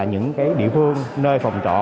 những cái địa phương nơi phòng trọ